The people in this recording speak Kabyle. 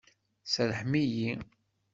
Serrḥem-iyi!